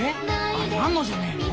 あれナンノじゃねえの？